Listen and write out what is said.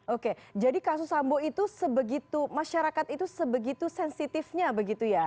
oke jadi kasus sambo itu sebegitu masyarakat itu sebegitu sensitifnya begitu ya